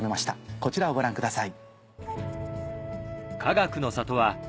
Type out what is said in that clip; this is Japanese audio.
こちらをご覧ください。